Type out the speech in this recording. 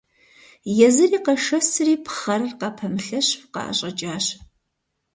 Езыри къэшэсри пхъэрыр къыпэмылъэщу къаӏэщӏэкӏащ.